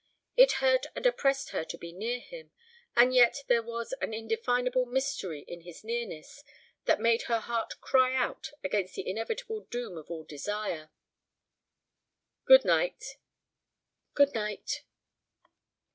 It hurt and oppressed her to be near him, and yet there was an indefinable mystery in his nearness that made her heart cry out against the inevitable doom of all desire. "Good night." "Good night."